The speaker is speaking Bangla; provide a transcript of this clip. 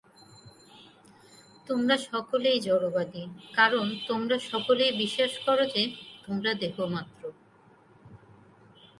তোমরা সকলেই জড়বাদী, কারণ তোমরা সকলেই বিশ্বাস কর যে, তোমরা দেহমাত্র।